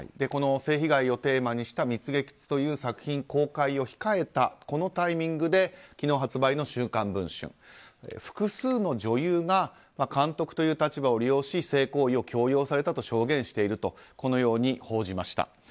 この性被害をテーマにした「蜜月」という作品公開を控えたこのタイミングで昨日発売の「週刊文春」複数の女優が監督という立場を利用し性行為を強要されたと証言しているとこのように報じました。